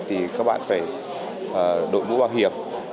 thì các bạn phải đội mũ bảo hiểm